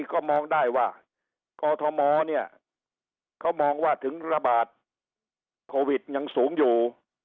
ก็มองได้ว่ากอทมเนี่ยเขามองว่าถึงระบาดโควิดยังสูงอยู่